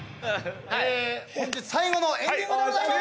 本日最後のエンディングでございます！